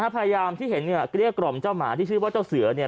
พยายามที่เห็นเนี่ยเกลี้ยกล่อมเจ้าหมาที่ชื่อว่าเจ้าเสือเนี่ย